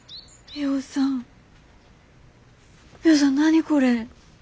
ミホさん何これ！